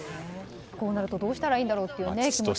こうなるとどうしたらいいんだろうという。